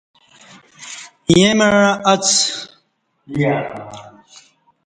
ییں مع اڅ۔